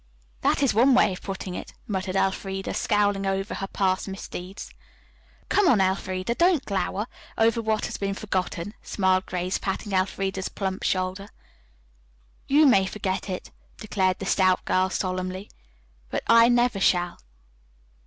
"That is one way of putting it," muttered Elfreda, scowling over her past misdeeds. "Come, come, Elfreda, don't glower over what has been forgotten," smiled Grace, patting Elfreda's plump shoulder. "You may forget," declared the stout girl solemnly, "but I never shall."